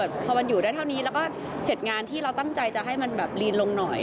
ไม่ลดค่ะมันอยู่ได้เท่านี้แล้วก็เกิดงานที่ตั้งใจจะให้มันลีนลงหน่อย